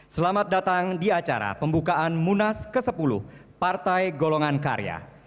selamat datang di acara pembukaan munas ke sepuluh partai golongan karya